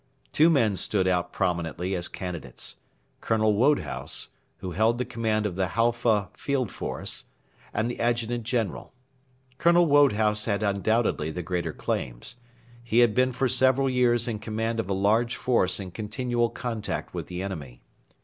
Two men stood out prominently as candidates Colonel Wodehouse, who held the command of the Halfa Field Force, and the Adjutant General. Colonel Wodehouse had undoubtedly the greater claims. He had been for several years in command of a large force in continual contact with the enemy.